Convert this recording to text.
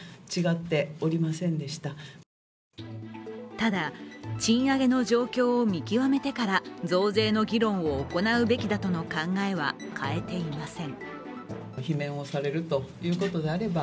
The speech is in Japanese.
ただ、賃上げの状況を見極めてから増税の議論を行うべきだとの考えは変えていません。